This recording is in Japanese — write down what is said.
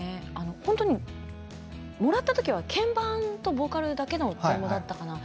本当にもらった時は鍵盤とボーカルだけの音だったかな。